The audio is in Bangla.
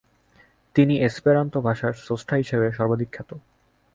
তিনি এসপেরান্তো ভাষার স্রষ্টা হিসাবে সর্বাধিক খ্যাত।